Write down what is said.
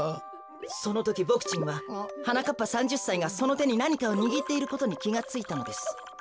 そのときボクちんははなかっぱ３０さいがそのてになにかをにぎっていることにきがついたのです。